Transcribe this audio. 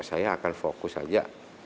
saya akan fokus saja